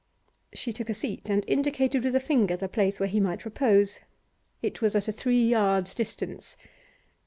She took a seat, and indicated with a finger the place where he might repose. It was at a three yards' distance.